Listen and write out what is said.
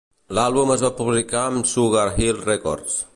L'àlbum es va publicar amb Sugar Hill Records.